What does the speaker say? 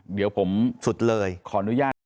เดี๋ยวผมขออนุญาต